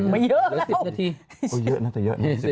ไม่เยอะแล้ว